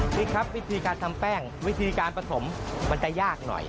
พี่ครับวิธีการทำแป้งวิธีการผสมมันจะยากหน่อย